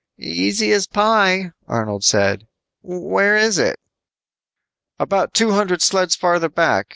"Easy as pie," Arnold said. "Where is it?" "About two hundred sleds farther back.